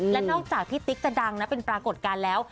และนอกจากพี่ติ๊กจะดังนะเป็นปรากฏการณ์แล้ว